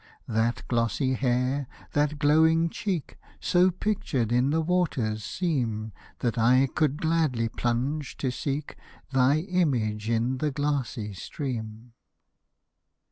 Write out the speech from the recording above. That glossy hair, that glowing cheek, So pictured in the waters seem, That I could gladly plunge to seek Thy image in the glassy stream.